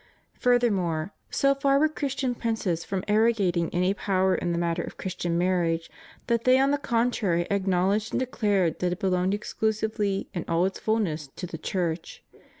Further more, so far were Christian princes from arrogating any power in the matter of Christian marriage, that they on the contrary acknowledged and declared that it belonged exclusively in all its fulness to the Church.